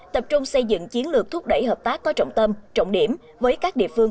tập trung xây dựng chiến lược thúc đẩy hợp tác có trọng tâm trọng điểm với các địa phương